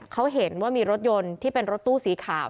เขาเห็นว่ามีรถยนต์ที่เป็นรถตู้สีขาว